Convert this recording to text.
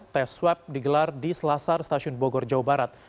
tes swab digelar di selasar stasiun bogor jawa barat